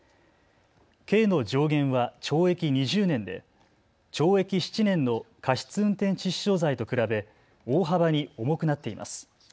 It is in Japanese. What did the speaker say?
刑の上限は懲役２０年で懲役７年の過失運転致死傷罪と比べ、大幅に重くなっています。